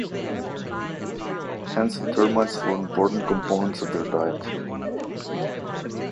Ants and termites form important components of their diet.